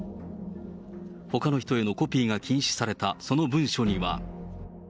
ほかの人へのコピーが禁止されたその文書には。